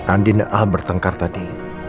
andi dan al bertengkar tadi